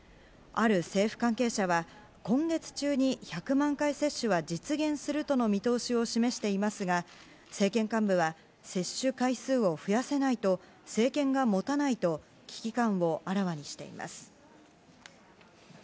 ある政府関係者は今月中に１００万回接種は実現するとの見通しを示していますが政権幹部は接種回数を増やせないと政権が持たないと危機感をあらわにしています。